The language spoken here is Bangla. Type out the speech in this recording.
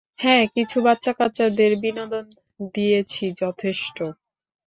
হ্যাঁ, কিছু বাচ্চাকাচ্চাদের বিনোদন দিয়েছি যথেষ্ট।